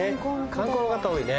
観光の方多いね。